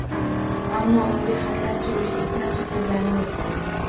Ammo unga xatlar kelishi sira to’xtagani yo’q.